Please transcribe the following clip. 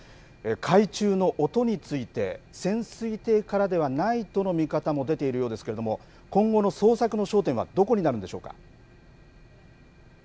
海中の音について潜水艇からではないとの見方も出ているようですけれども今後の捜索の焦点はどこになるんでしょうか。